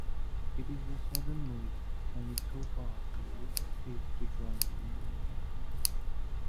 It is the southernmost and so far, the latest state to join the Union.